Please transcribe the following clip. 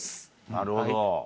なるほど。